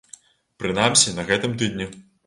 Прынамсі, на гэтым тыдні.